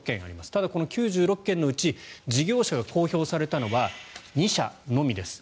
ただこの９６件のうち事業者が公表されたのは２社のみです。